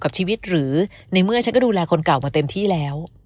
กับชีวิตหรือในเมื่อฉันก็ดูแลคนเก่ามาเต็มที่แล้ว